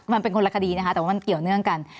มันเป็นคนละคดีนะคะแต่ว่ามันเกี่ยวเนื่องกัน